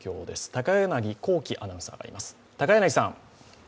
高柳光希アナウンサーがいます。